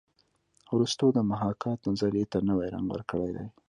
ارستو د محاکات نظریې ته نوی رنګ ورکړی دی